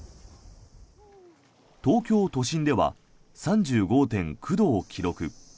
東京都心では３５．９度を記録。